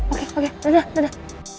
oke oke dadah dadah